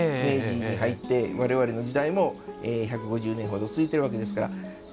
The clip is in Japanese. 明治に入って我々の時代も１５０年ほど続いているわけですから。